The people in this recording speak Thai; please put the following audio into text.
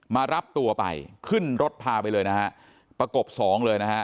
มารับตัวไปขึ้นรถพาไปเลยนะฮะประกบสองเลยนะฮะ